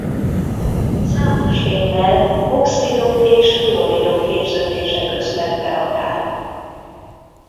Számos fémmel oxidok és fluoridok képződése közben reagál.